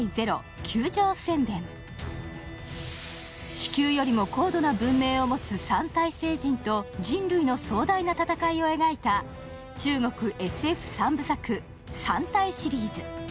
地球よりも高度な文明を持つ三体星人と人類の壮大な戦いを描いた中国ＳＦ三部作「三体」シリーズ。